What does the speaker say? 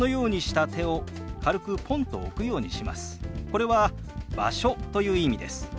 これは「場所」という意味です。